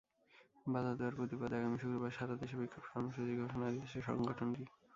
বাধা দেওয়ার প্রতিবাদে আগামী শুক্রবার সারা দেশে বিক্ষোভ কর্মসূচির ঘোষণা দিয়েছে সংগঠনটি।